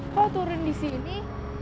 kok turun disini